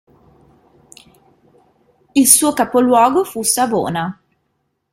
Il suo capoluogo fu Savona.